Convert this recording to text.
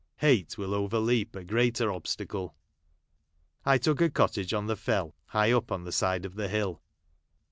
Hate will overleap a greater obstacle. I took a cottage on the Fell, high up on the side of the hill.